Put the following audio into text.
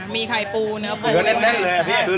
แม่ปรุงเหรอ